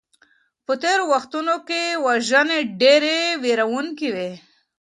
په تيرو وختونو کي وژنې ډېرې ويرونکي وې.